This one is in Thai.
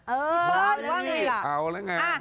เออพี่เปิ้ลว่าอย่างไรล่ะเอาแล้วไง